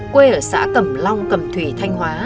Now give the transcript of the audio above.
quê ở xã cẩm long cẩm thủy thanh hóa